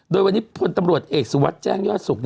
โดยวันนี้พลตำรวจเอกสุวัสดิ์แจ้งยอดสุข